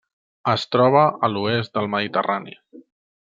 Es troba a l'oest del Mediterrani.